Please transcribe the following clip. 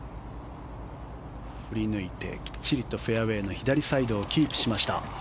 振り抜いてきっちりとフェアウェーの左サイドをキープしました。